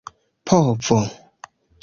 povo